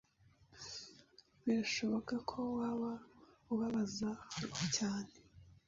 Birashoboka ko waba ubabaza roho cyane